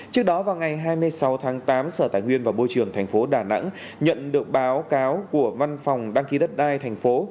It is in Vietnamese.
trước đó vào ngày hai mươi sáu tháng tám sở tài nguyên và môi trường tp đà nẵng nhận được báo cáo của văn phòng đăng ký đất đai thành phố